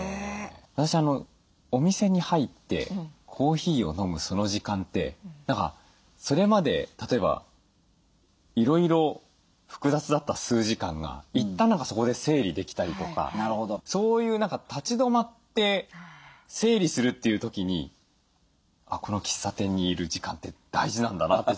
私お店に入ってコーヒーを飲むその時間ってそれまで例えばいろいろ複雑だった数時間が一旦そこで整理できたりとかそういう立ち止まって整理するという時にこの喫茶店にいる時間って大事なんだなって